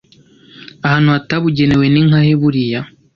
ahantu hatabugenewe ninkahe buriya